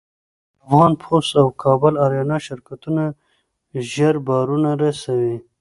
افغان پسټ او کابل اریانا شرکتونه زر بارونه رسوي.